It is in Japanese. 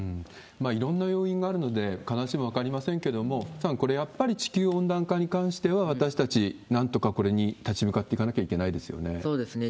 いろんな要因があるので、必ずしも分かりませんけれども、福さん、これやっぱり、地球温暖化に関しては、私たち、なんとかこれに立ち向かっていかなきゃいけないですよね。